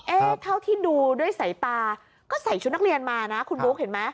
เท่าที่ดูด้วยสายตาก็ใส่ชุดนักเรียนมานะคุณบุ๊คเห็นไหม